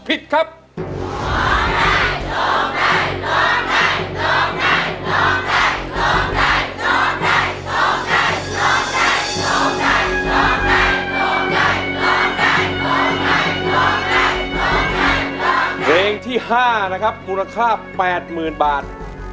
แปดหมื่นบาทมูลค่าแปดหมื่นบาท